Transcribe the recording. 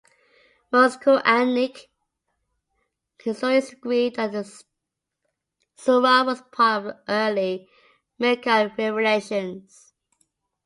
Most Qur'anic historians agree that this sura was part of the early Meccan revelations.